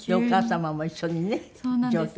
お母様も一緒にね上京。